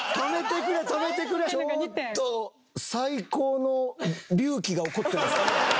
ちょっと最高の隆起が起こってますね。